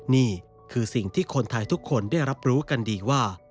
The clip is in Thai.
นี่คือสิ่งที่คนไทยทุกคนได้รับรู้กันดีว่า